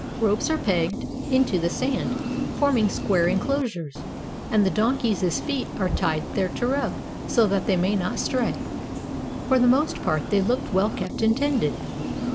Ropes are pegged 23^ THE GREAT MARKET OF TRIPOLI into the sand, forming square inclosures, and the don keys' feet are tied thereto, so that they may not stray. For the most part they looked well kept and tended.